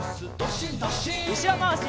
うしろまわし。